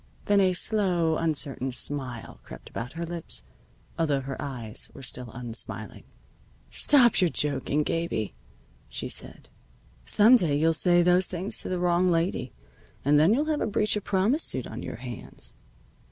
Then a slow, uncertain smile crept about her lips, although her eyes were still unsmiling. "Stop your joking, Gabie," she said. "Some day you'll say those things to the wrong lady, and then you'll have a breach of promise suit on your hands."